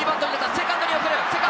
セカンドに送る。